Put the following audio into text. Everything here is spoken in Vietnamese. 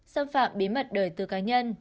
xâm phạm bí mật đời tư cá nhân